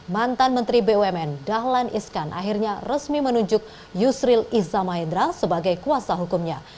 mantan menteri bumn dahlan iskan akhirnya resmi menunjuk yusril iza mahendra sebagai kuasa hukumnya